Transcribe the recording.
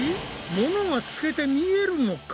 物が透けて見えるのか？